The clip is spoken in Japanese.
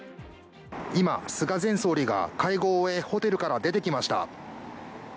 今、菅前総理が会合を終えホテルから出てきました。